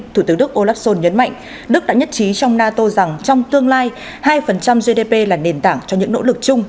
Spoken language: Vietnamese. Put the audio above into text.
thủ tướng đức olaf scholz nhấn mạnh đức đã nhất trí trong nato rằng trong tương lai hai gdp là nền tảng cho những nỗ lực chung